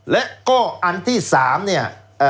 และก็อันที่๓เนี่ย